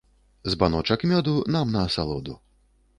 Збаночак мёду нам на асалоду.